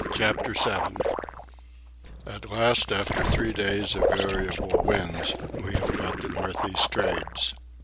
CHAPTER VII At last, after three days of variable winds, we have caught the north east trades.